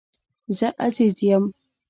زه عزير يم